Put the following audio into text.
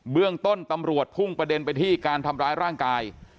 เรื่องต้นตำรวจพุ่งประเด็นไปที่การทำร้ายร่างกาย